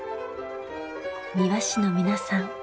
庭師の皆さん